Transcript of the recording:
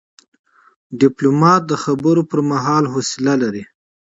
ډيپلومات د خبرو پر مهال حوصله لري.